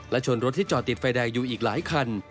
และชนรถที่จอดติดไฟแดงอยู่อีกหลายคัน